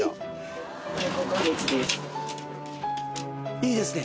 いいですね。